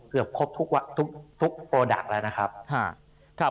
ครบทุกโปรดักต์แล้วนะครับ